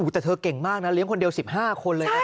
แต่เธอเก่งมากนะเลี้ยงคนเดียว๑๕คนเลยนะ